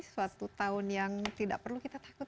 suatu tahun yang tidak perlu kita takut